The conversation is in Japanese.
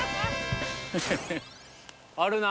あるな。